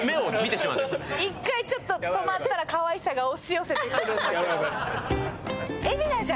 一回ちょっと止まったらかわいさが押し寄せてくる。